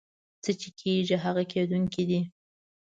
څه چې کېږي هغه کېدونکي دي.